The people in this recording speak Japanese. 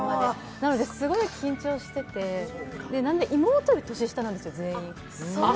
なのですごい緊張してて妹より年下なんですよ、全員。